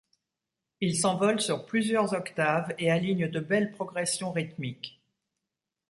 Il s’envole sur plusieurs octaves et aligne de belles progressions rythmiques.